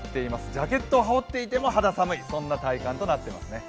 ジャケットを羽織っていても肌寒い、そんな体感となっています。